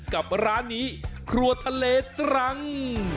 กับร้านนี้ครัวทะเลตรัง